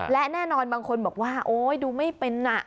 และแน่นอนบางคนบอกว่าโอ๊ยดูไม่เป็นน่ะ